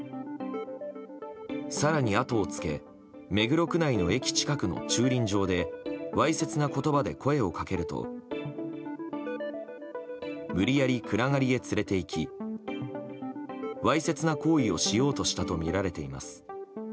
更にあとをつけ目黒区内の駅近くの駐輪場でわいせつな言葉で声をかけると無理やり暗がりへ連れていきわいせつな行為をしようとしたとみられています。